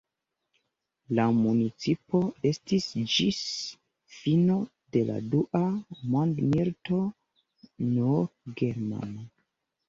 La municipo estis ĝis fino de la dua mondmilito nur germana.